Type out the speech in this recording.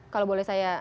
kalau boleh saya